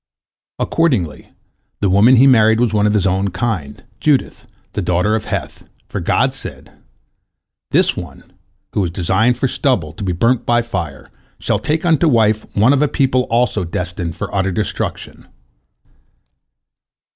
Accordingly, the woman he married was of his own kind, Judith, a daughter of Heth, for God said: "This one, who is designed for stubble, to be burnt by fire, shall take unto wife one of a people also destined for utter destruction."